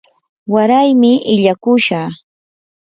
waraymi illaakushaq.